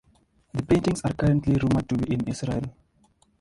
The paintings are currently rumoured to be in Israel.